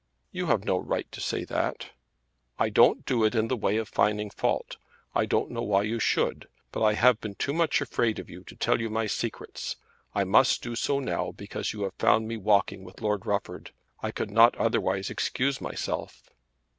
"You have no right to say that." "I don't do it in the way of finding fault. I don't know why you should. But I have been too much afraid of you to tell you my secrets. I must do so now because you have found me walking with Lord Rufford. I could not otherwise excuse myself."